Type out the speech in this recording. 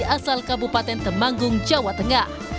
asal kabupaten temanggung jawa tengah